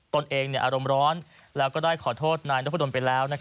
ตนเองอารมณ์ร้อนแล้วก็ได้ขอโทษนายนพดลไปแล้ว